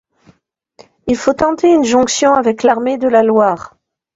Il faut tenter une jonction avec l’armée de la Loire.